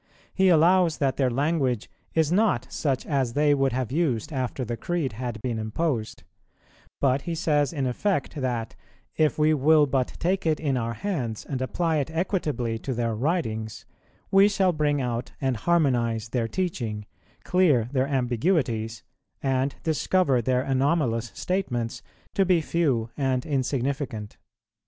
He allows that their language is not such as they would have used after the Creed had been imposed; but he says in effect that, if we will but take it in our hands and apply it equitably to their writings, we shall bring out and harmonize their teaching, clear their ambiguities, and discover their anomalous statements to be few and insignificant.